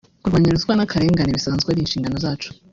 Kurwanya ruswa n’akarengane bisanzwe ari inshingano zacu